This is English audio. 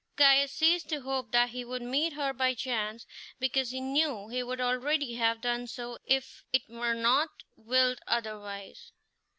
Caius ceased to hope that he would meet her by chance, because he knew he would already have done so if it were not willed otherwise.